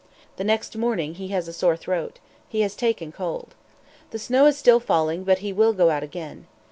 The next morning he has a sore throat; he has taken cold. The snow is still falling, but he will go out again.